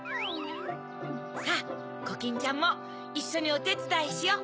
さぁコキンちゃんもいっしょにおてつだいしよう！